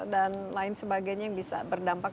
dan lain sebagainya yang bisa berdampak